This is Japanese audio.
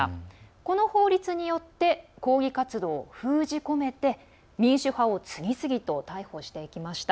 この法律によって抗議活動を封じ込めて民主派を次々と逮捕していきました。